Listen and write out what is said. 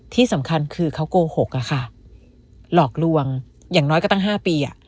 ที่สำคัญคือเขาโกหกอะค่ะหลอกลวงอย่างน้อยก็ตั้ง๕ปี